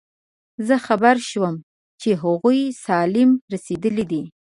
زه خبر شوم چې هغوی سالم رسېدلي دي.